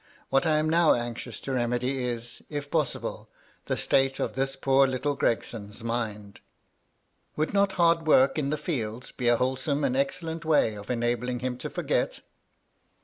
What I am now anxious to remedy is, if possible, the state of this poor little Gregson's mind. Would not hard work in the fields be a wholesome and excellent way of enabling him to forget